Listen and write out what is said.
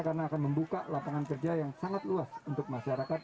karena akan membuka lapangan kerja yang sangat luas untuk masyarakat